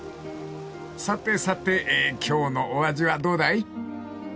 ［さてさて今日のお味はどうだい？］